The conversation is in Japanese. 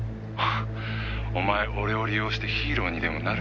「お前俺を利用してヒーローにでもなるつもりか？」